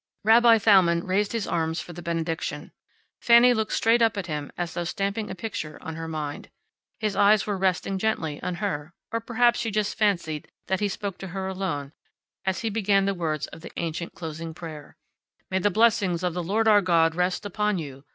Rabbi Thalmann raised his arms for the benediction. Fanny looked straight up at him as though stamping a picture on her mind. His eyes were resting gently on her or perhaps she just fancied that he spoke to her alone as he began the words of the ancient closing prayer: "May the blessings of the Lord Our God rest upon you.